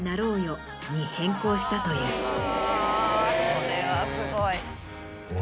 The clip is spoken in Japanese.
これはすごい。